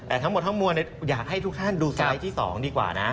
แต่ทั้งหมดทั้งมวลอยากให้ทุกท่านดูสไลด์ที่๒ดีกว่านะ